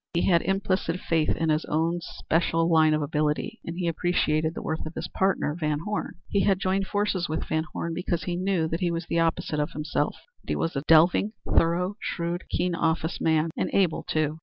He had implicit faith in his own special line of ability, and he appreciated the worth of his partner, VanHorne. He had joined forces with VanHorne because he knew that he was the opposite of himself that he was a delving, thorough, shrewd, keen office man and able too.